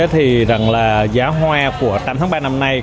thì rằng là giá hoa của tám tháng ba năm nay